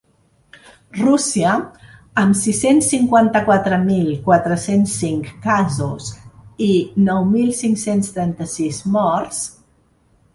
Rússia, amb sis-cents cinquanta-quatre mil quatre-cents cinc casos i nou mil cinc-cents trenta-sis morts.